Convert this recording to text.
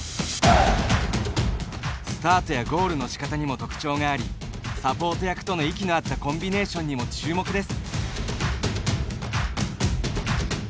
スタートやゴールのしかたにも特徴がありサポート役との息のあったコンビネーションにも注目です。